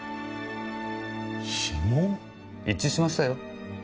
指紋？一致しましたよ。